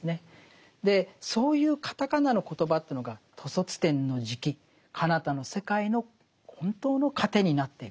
そういうカタカナのコトバというのが兜率天の食かなたの世界の本当の糧になっていく。